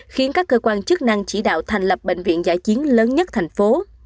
khiến các cơ quan chức năng chỉ đạo thành lập bệnh viện giải chiến lớn nhất thành phố